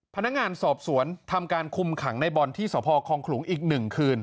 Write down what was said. พนักงานสอบสวนทำการคุมขังในบอลที่สพคองขลุงอีก๑คืน